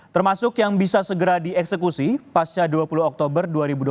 termasuk yang bisa segera dieksekusi pasca dua puluh oktober dua ribu dua puluh